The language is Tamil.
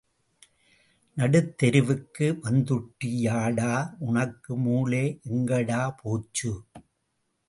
நடுத்தெருவுக்கு வந்துட்டியடா உனக்கு மூளை எங்கடா போச்சு.